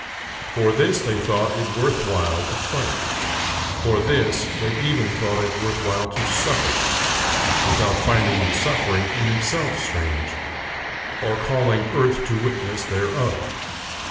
For this they thought it worth while to fight, for this they even thought it worth while to suffer, without finding the suffering in itself strange, or calling earth to witness thereof....